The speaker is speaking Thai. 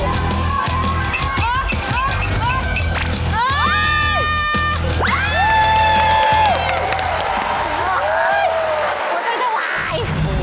โตจังชะวาย